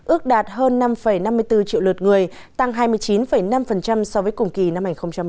ước đạt hơn năm năm mươi bốn triệu lượt người tăng hai mươi chín năm so với cùng kỳ năm hai nghìn một mươi chín